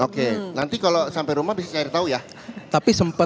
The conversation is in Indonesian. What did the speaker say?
oke nanti kalo sampe rumah bisa cari tau ya